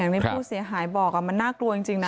ที่ผู้เสียหายบอกมันน่ากลัวจริงนะ